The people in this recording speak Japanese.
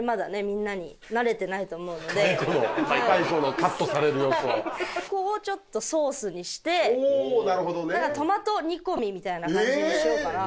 みんなに慣れてないと思うので蚕のカットされる様子をここをちょっとソースにしてなるほどね何かトマト煮込みみたいな感じにしようかな